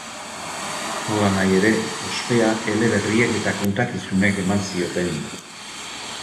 Nolanahi ere, ospea eleberriek eta kontakizunek eman zioten.